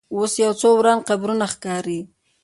اوس یو څو وران قبرونه ښکاري.